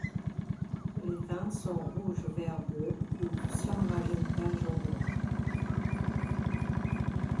Les teintes sont rouge-vert-bleu ou cyan-magenta-jaune-noir.